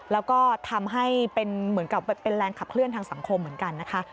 แล้วก็ทำให้เป็นแรงขับเคลื่อนทางสังคมเหมือนกันนะคะ